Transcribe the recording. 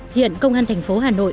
hiện công an thành phố hà nội